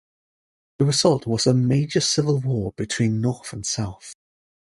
The result was a major civil war between north and south.